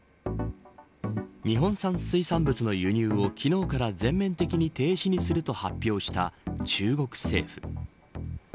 日本産水産物の輸入を昨日から全面的に停止にすると発表した中国政府。